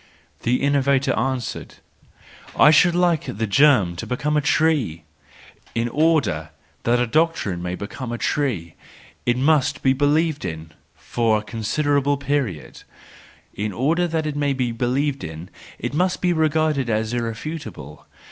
The innovator answered :" I should like the germ to become a tree. In order that a doctrine may become a tree, it must be believed in for a con¬ siderable period ; in order that it may be believed in it must be regarded as irrefutable.